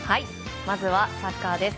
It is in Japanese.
まずはサッカーです。